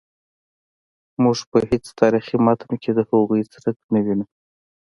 موږ په هیڅ تاریخي متن کې د هغوی څرک نه وینو.